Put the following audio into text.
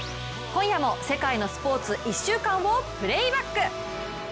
今夜も世界のスポーツ１週間をプレイバック。